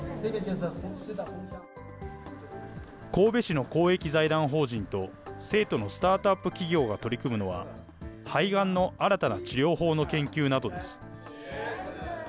神戸市の公益財団法人と、成都のスタートアップ企業が取り組むのは、肺がんの新たな治療法の研究などです。